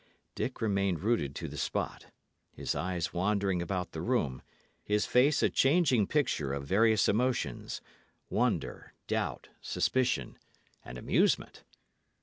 Dick remained rooted to the spot, his eyes wandering about the room, his face a changing picture of various emotions, wonder, doubt, suspicion, and amusement.